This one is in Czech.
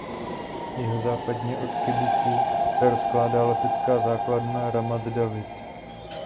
Jihozápadně od kibucu se rozkládá letecká základna Ramat David.